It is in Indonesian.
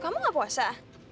kamu gak puasa